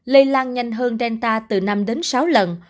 lây lan nhanh hơn delta từ năm đến sáu lần